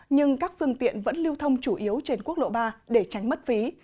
nhưng các phương tiện vẫn lưu thông chủ yếu trên quốc lộ ba để tránh mất phí